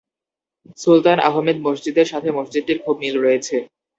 সুলতান Ahmed মসজিদের সাথে মসজিদটির খুব মিল রয়েছে।